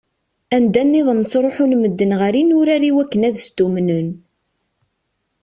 Anda-nniḍen ttruḥun medden ɣer yinurar i wakken ad stummnen.